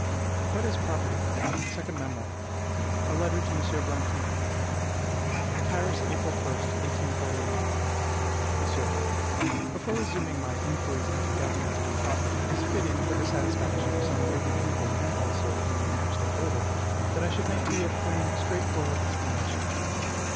WHAT IS PROPERTY? SECOND MEMOIR A LETTER TO M. BLANQUI. SECOND MEMOIR. PARIS, April 1, 1841. MONSIEUR, Before resuming my "Inquiries into Government and Property," it is fitting, for the satisfaction of some worthy people, and also in the interest of order, that I should make to you a plain, straightforward explanation.